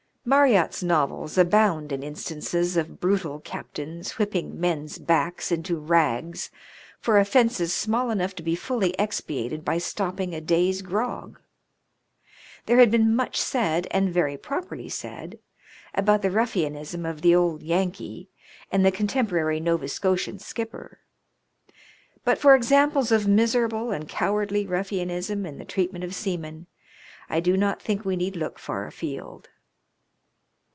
Marryatt's novels abound in instances of brutal captains whipping men's backs into rags for oflFences small enough to be fully expiated by stopping a day's grog. There has been much said — and very properly said — about the rufiianism of the old Yankee, and the contemporary Nova Scotia skipper; but, for examples of miserable and cowardly ruffianism in the treatment of seamen, I do not think we need look far a field.